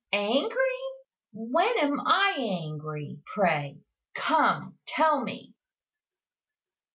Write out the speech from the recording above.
"Angry! When am I angry, pray? Come, tell me."